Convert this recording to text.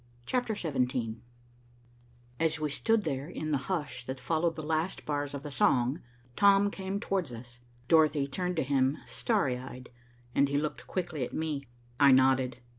CHAPTER XVII As we stood there in the hush that followed the last bars of the song, Tom came towards us. Dorothy turned to him, starry eyed, and he looked quickly at me. I nodded.